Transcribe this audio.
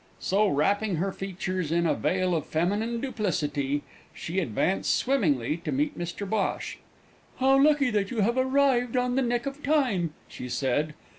So, wrapping her features in a veil of feminine duplicity, she advanced swimmingly to meet Mr Bhosh. "How lucky that you have arrived on the neck of time!" she said.